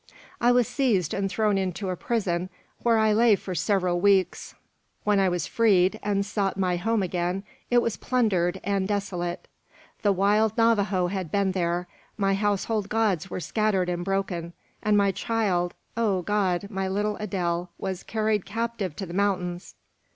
"I was seized and thrown into a prison, where I lay for several weeks. When I was freed, and sought my home again, it was plundered and desolate. The wild Navajo had been there; my household gods were scattered and broken, and my child, oh, God! my little Adele, was carried captive to the mountains!"